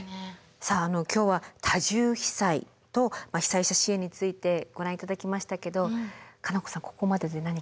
さあ今日は多重被災と被災者支援についてご覧頂きましたけど佳菜子さんここまでで何か質問とかありますか？